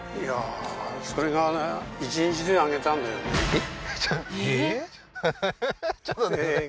えっ？